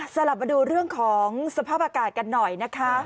กลับมาดูเรื่องของสภาพอากาศกันหน่อยนะคะ